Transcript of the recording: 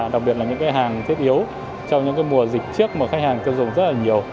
đặc biệt là những cái hàng thiết yếu trong những mùa dịch trước mà khách hàng tiêu dùng rất là nhiều